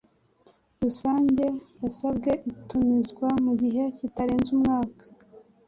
rusange yasabwe itumizwa mu gihe kitarenze umwaka